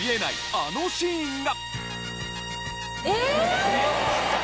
あのシーンが！